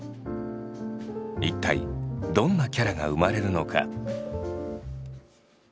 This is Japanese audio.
一体どんなキャラが生まれるのか？